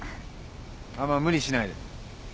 あんま無理しないで。